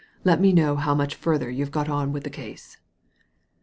Let me know how much further you have got on with the case."